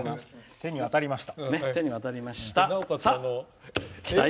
手に渡りました。